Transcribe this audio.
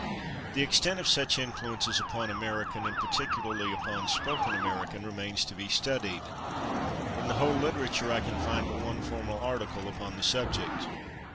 The extent of such influences upon American, and particularly upon spoken American, remains to be studied; in the whole literature I can find but one formal article upon the subject.